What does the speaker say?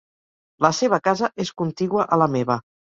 La seva casa és contigua a la meva.